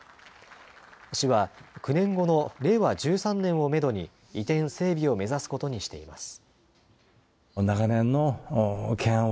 市は９年後の令和１３年をメドに、移転・整備を目指すことにしています。